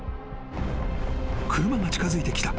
［車が近づいてきた。